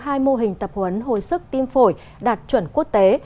hai mô hình tập huấn hồi sức tim phổi đạt chuẩn quốc tế